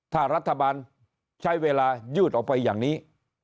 ถ้ารัฐบาลใช้เวลายืดออกไปอย่างนี้